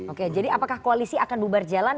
oke jadi apakah koalisi akan bubar jalan